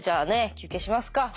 「休憩しますか」。